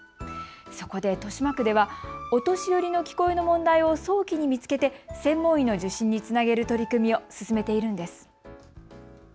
そこで豊島区ではお年寄りの聞こえの問題を早期に見つけて専門医の受診につなげる取り組みを進めているんです。